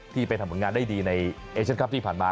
ไปทำผลงานได้ดีในเอเชียนคลับที่ผ่านมา